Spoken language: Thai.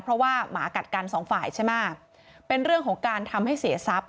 เพราะว่าหมากัดกันสองฝ่ายใช่ไหมเป็นเรื่องของการทำให้เสียทรัพย